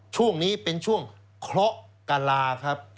ช่วงนี้เป็นช่วงเคราะห์กะลาครับ